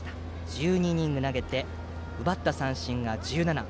１２イニング投げて奪った三振は１７。